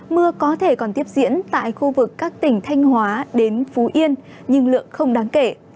mưa có thể còn tiếp diễn tại khu vực các tỉnh thanh hóa đến phú yên nhưng lượng không đáng kể